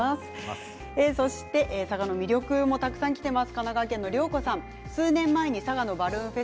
佐賀の魅力もたくさんきています。